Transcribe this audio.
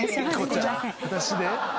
私で？